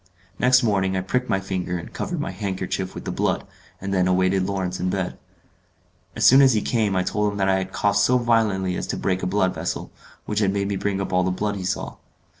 Next morning I pricked my finger and covered my handkerchief with the blood, and then awaited Lawrence in bed. As soon as he came I told him that I had coughed so violently as to break a blood vessel, which had made me bring up all the blood he saw.